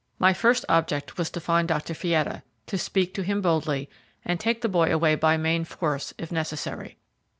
My first object was to find Dr. Fietta, to speak to him boldly, and take the boy away by main force if necessary.